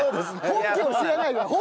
本家を知らないのよ！